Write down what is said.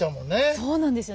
そうなんですよ。